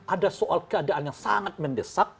ada soal keadaan yang sangat mendesak